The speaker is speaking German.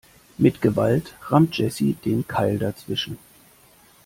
Mit Gewalt rammt Jessy den Keil dazwischen.